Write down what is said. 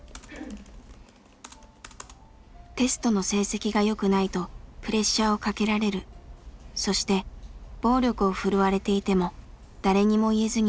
「テストの成績が良くないとプレッシャーをかけられるそして暴力を振るわれていても誰にも言えずにいる」という内容でした。